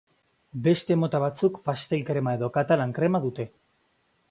Beste mota batzuk pastel-krema edo katalan krema dute.